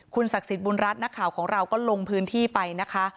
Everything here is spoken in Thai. ศักดิ์สิทธิ์บุญรัฐนักข่าวของเราก็ลงพื้นที่ไปนะคะ